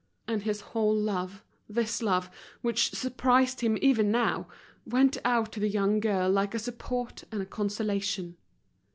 And his whole love, this love which surprised him even now, went out to the young girl like a support and a consolation.